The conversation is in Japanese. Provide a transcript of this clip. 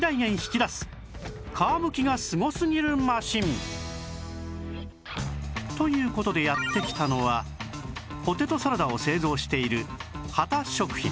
人気のという事でやって来たのはポテトサラダを製造している秦食品